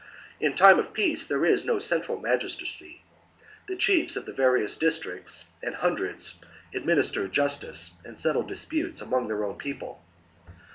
In time of peace there is no central magistracy: the chiefs of the various districts and hundreds administer justice and settle disputes among their own people.